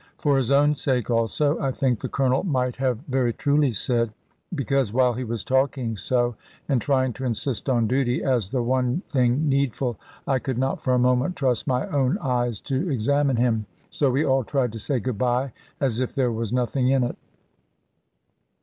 For his own sake also, I think the Colonel might have very truly said; because while he was talking so, and trying to insist on duty, as the one thing needful, I could not for a moment trust my own eyes to examine him. So we all tried to say "good bye," as if there was nothing in it.